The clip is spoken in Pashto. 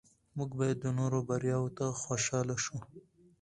موږ باید د نورو بریاوو ته خوشحاله شو